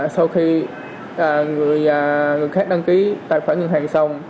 sau khi người khác đăng ký tài khoản ngân hàng xong